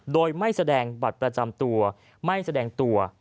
โดยไม่แสดงบัตรประจำตัวไม่แสดงตัว